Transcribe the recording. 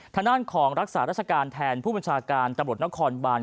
ทางด้านของรักษาราชการแทนผู้บัญชาการตำรวจนครบาน